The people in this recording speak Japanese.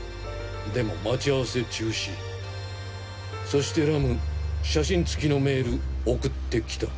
でも待ち合わせ中止そしてＲＵＭ写真付きのメール送ってきた。